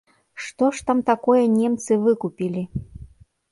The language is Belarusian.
Што ж там такое немцы выкупілі?